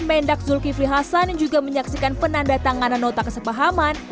mendak zulkifli hasan juga menyaksikan penanda tanganan nota kesepahaman